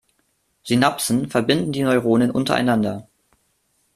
Synapsen verbinden die Neuronen untereinander.